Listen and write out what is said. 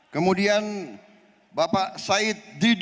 kemudian bapak said didu